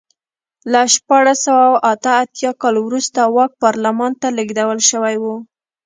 له شپاړس سوه اته اتیا کال وروسته واک پارلمان ته لېږدول شوی و.